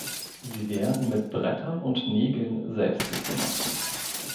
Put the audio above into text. Sie werden mit Brettern und Nägeln selbst gezimmert.